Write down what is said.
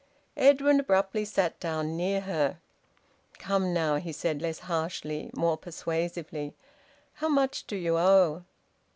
Edwin abruptly sat down near her. "Come, now," he said less harshly, more persuasively. "How much do you owe?"